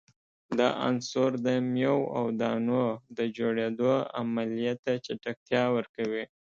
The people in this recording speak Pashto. دا عنصر د میو او دانو د جوړیدو عملیې ته چټکتیا ورکوي.